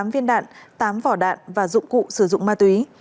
năm mươi tám viên đạn tám vỏ đạn và dụng cụ sử dụng ma túy